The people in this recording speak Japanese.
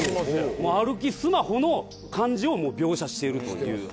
歩きスマホの感じを描写しているという。